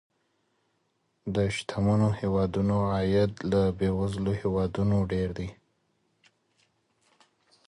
د شتمنو هیوادونو عاید له بېوزلو هیوادونو ډیر دی.